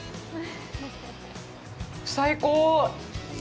最高。